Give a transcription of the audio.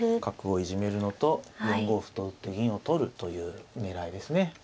角をいじめるのと４五歩と打って銀を取るという狙いですね。